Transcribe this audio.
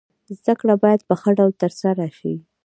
زده کړه باید په ښه ډول سره تر سره سي.